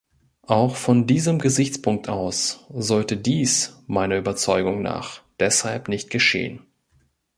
Auch von diesem Gesichtspunkt aus sollte dies meiner Überzeugung nach deshalb nicht geschehen.